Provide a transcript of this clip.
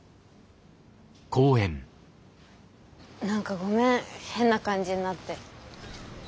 何かごめん変な感じになって。